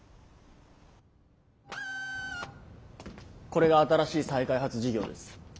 これが新しい再開発事業です。